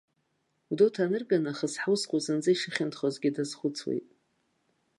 Гәдоуҭа анырга нахыс ҳусқәа зынӡа ишыхьанҭахозгьы дазхәыцуеит.